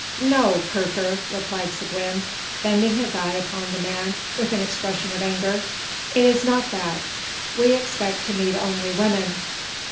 "No, Kirker!" replied Seguin, bending his eye upon the man, with an expression of anger. "It is not that. We expect to meet only women.